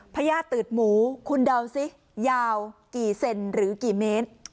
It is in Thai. พญาติตืดหมูคุณเดาสิยาวกี่เซนหรือกี่เมตร